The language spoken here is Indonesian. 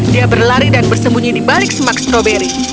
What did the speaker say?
dia berlari dan bersembunyi di balik semak stroberi